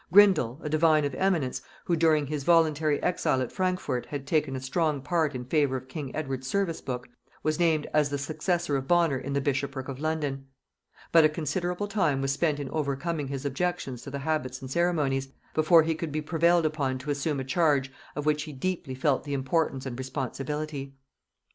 Grindal, a divine of eminence, who during his voluntary exile at Frankfort had taken a strong part in favor of king Edward's Service book, was named as the successor of Bonner in the bishopric of London; but a considerable time was spent in overcoming his objections to the habits and ceremonies, before he could be prevailed upon to assume a charge of which he deeply felt the importance and responsibility.